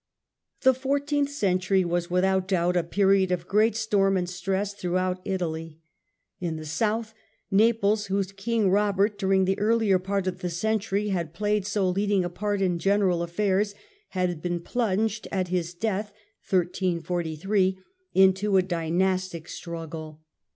The fourteenth century was, without doubt, a period Disputed of great storm and stress throughout Italy. In the in Naples', South, Naples, whose King Bobert during the earlier ^^^■^ part of the century had played so leading a part in general affairs, had been plunged at his death into a dynastic struggle.